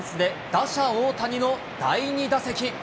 打者、大谷の第２打席。